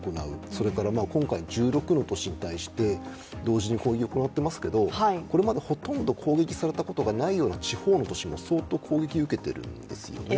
それから今回１６の都市に対して同時に攻撃を行っていますけれども、これまでほとんど攻撃されたことがないような地方の都市も相当攻撃を受けているんですよね。